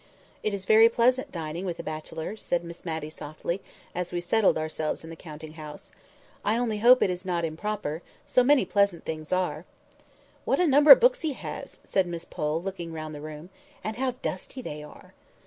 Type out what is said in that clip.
"It is very pleasant dining with a bachelor," said Miss Matty softly, as we settled ourselves in the counting house. "I only hope it is not improper; so many pleasant things are!" "What a number of books he has!" said Miss Pole, looking round the room. "And how dusty they are!"